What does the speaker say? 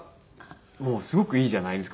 もうすごくいいじゃないですか。